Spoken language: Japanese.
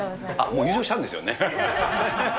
もう優勝したんですよね。